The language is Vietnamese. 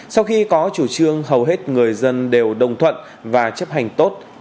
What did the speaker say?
sau khi có chủ trương hầu hết người dân đều đồng thuận